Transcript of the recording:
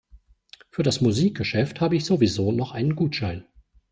Für das Musikgeschäft habe ich sowieso noch einen Gutschein.